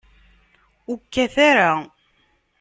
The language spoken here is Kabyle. Ur kkat ara.